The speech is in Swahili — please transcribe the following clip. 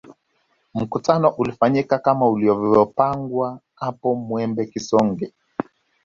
Mkutano ulifanyika kama ulivyopangwa hapo Mwembe Kisonge